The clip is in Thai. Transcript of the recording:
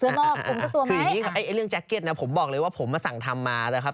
คืออย่างนี้ครับไอ้เรื่องแจ็คเก็ตนะผมบอกเลยว่าผมมาสั่งทำมานะครับ